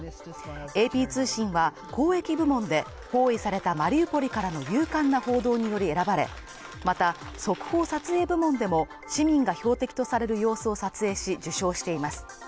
ＡＰ通信は公益部門で包囲されたマリウポリからの勇敢な報道により選ばれ、また速報撮影部門でも市民が標的とされる様子を撮影し、受賞しています。